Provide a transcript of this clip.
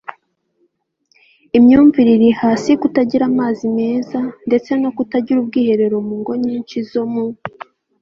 imyumvire iri hasi kutagira amazi meza ndetse no kutagira ubwiherero mu ngo nyinshi zo mu